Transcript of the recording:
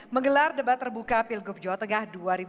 menggelar debat terbuka pilgub jawa tengah dua ribu delapan belas